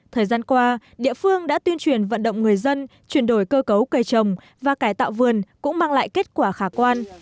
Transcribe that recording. thời gian qua địa phương đã tuyên truyền vận động người dân chuyển đổi cơ cấu cây trồng và cải tạo vườn cũng mang lại kết quả khả quan